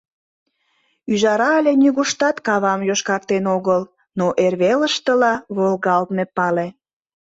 Ӱжара але нигуштат кавам йошкартен огыл, но эрвелыштыла волгалтме пале.